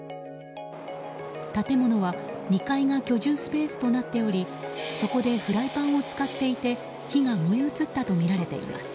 建物は２階が居住スペースとなっておりそこでフライパンを使っていて火が燃え移ったとみられています。